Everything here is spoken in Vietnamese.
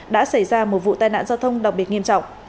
đã xảy ra một vụ tai nạn giao thông đặc biệt nghiêm trọng